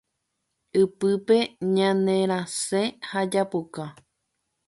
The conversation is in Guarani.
Ipype ñanerasẽ ha japuka.